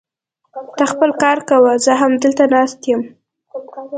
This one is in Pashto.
ته خپل کار کوه، زه همدلته ناست يم.